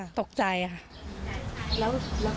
แล้วแฟนของเราเนี่ยเขาเอาปืนด้วย